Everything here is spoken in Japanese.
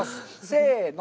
せの！